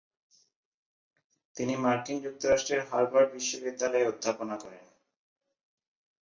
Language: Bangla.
তিনি মার্কিন যুক্তরাষ্ট্রের হার্ভার্ড বিশ্ববিদ্যালয়ে অধ্যাপনা করেন।